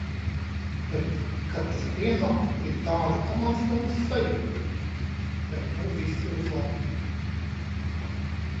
Bet, kad tas pienāk, ir tāda komandantstundas sajūta. Bet nu viss uz labu.